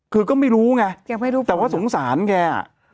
คือก็ไม่รู้ไงไม่รู้แต่ว่าสงสารแกอ่ะ